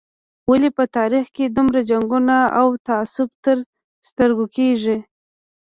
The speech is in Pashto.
ولې په تاریخ کې دومره جنګونه او تعصب تر سترګو کېږي.